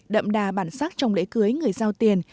đậm đà bản sắc trong lễ cưới người giao tiền